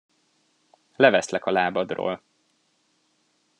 Leveszlek a lábadról.